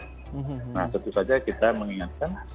nah tentu saja kita mengingatkan